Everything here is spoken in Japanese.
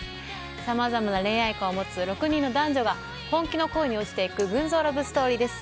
さまざまな恋愛観を持つ男女６人が本気の恋に落ちていく群像ラブストーリーです。